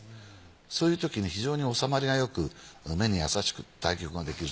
そういうときに非常におさまりがよく目にやさしく対局ができる。